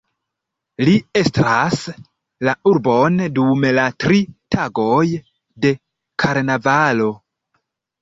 Li estras la urbon dum la tri tagoj de karnavalo.